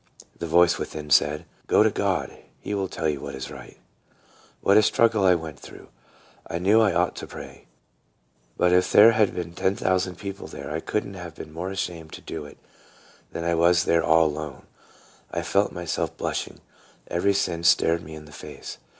The voice within said, " Go to God ; he will tell you what is right." What a struggle I went through ! I knew I ought to pray ; but if there had been ten thousand people there I could n't have been more ashamed to do it than I was there all alone, I felt myself blushing. Every sin stared me in the face.